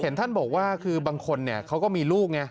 เห็นท่านบอกว่าคือบางคนเขาก็มีลูกไง